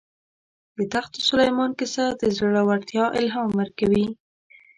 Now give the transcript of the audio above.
د تخت سلیمان کیسه د زړه ورتیا الهام ورکوي.